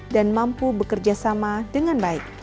dan mampu bekerja sama dengan baik